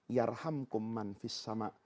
yarhamkum manfis sama